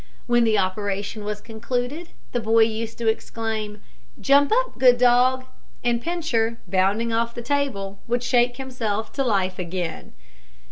When the operation was concluded, the boy used to exclaim, "Jump up, good dog;" and Pincher, bounding off the table, would shake himself to life again.